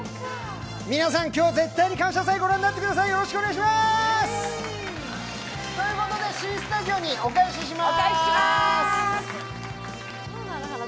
皆さん、今日絶対に「感謝祭」ご覧になってください。ということでＣスタジオにお返しします。